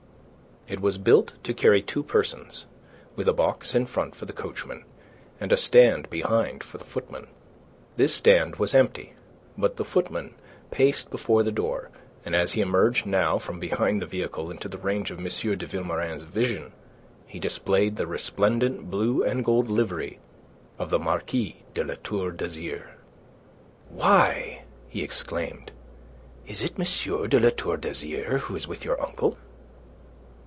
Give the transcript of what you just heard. It was built to carry two persons, with a box in front for the coachman, and a stand behind for the footman. This stand was empty, but the footman paced before the door, and as he emerged now from behind the vehicle into the range of M. de Vilmorin's vision, he displayed the resplendent blue and gold livery of the Marquis de La Tour d'Azyr. "Why!" he exclaimed. "Is it M. de La Tour d'Azyr who is with your uncle?"